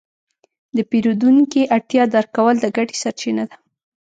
د پیرودونکي اړتیا درک کول د ګټې سرچینه ده.